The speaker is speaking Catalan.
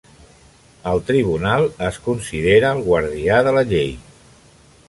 El Tribunal es considera el guardià de la llei.